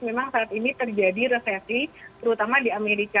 memang saat ini terjadi resesi terutama di amerika